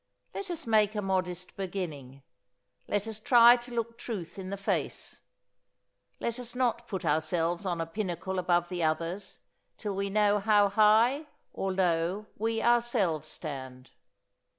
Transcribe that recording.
Let us make a modest beginning; let us try to look truth in the face. Let us not put ourselves on a pinnacle above the others till we know how high or low we ourselves stand.